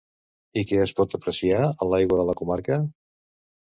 I què es pot apreciar a l'aigua de la comarca?